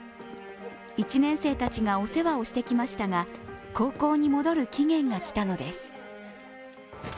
１年生たちがお世話をしてきましたが、高校に戻る期限が来たのです。